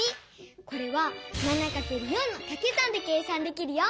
これは７×４のかけ算で計算できるよ！